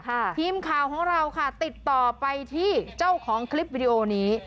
ทีมข่าวของเราค่ะติดต่อไปที่เจ้าของคลิปวิดีโอนี้